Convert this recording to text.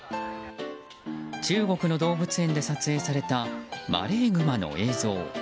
中国の動物園で撮影されたマレーグマの映像。